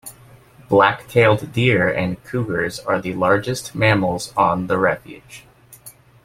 Black-tailed deer and cougars are the largest mammals on the refuge.